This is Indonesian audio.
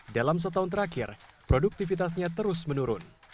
dalam setahun terakhir produktivitasnya terus menurun